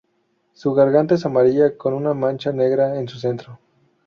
Su garganta es amarilla con una mancha negra en su centro.